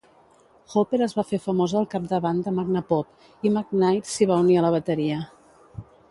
Hopper es va fer famosa al capdavant de Magnapop, i McNair s'hi va unir a la bateria.